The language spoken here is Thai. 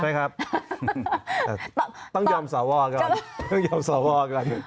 ใช่ครับต้องยอมสวก่อน